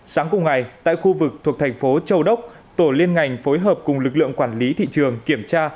sáng cùng ngày tại khu vực thuộc thành phố châu đốc tổ liên ngành phối hợp cùng lực lượng quản lý thị trường kiểm tra